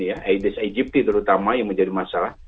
aedes aegypti terutama yang menjadi masalah